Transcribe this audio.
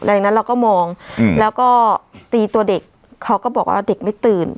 ดังนั้นเราก็มองแล้วก็ตีตัวเด็กเขาก็บอกว่าเด็กไม่ตื่น